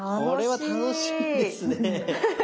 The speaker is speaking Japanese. これは楽しいですね。